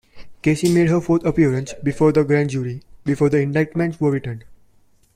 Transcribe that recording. Casey made her fourth appearance before the grand jury before the indictments were returned.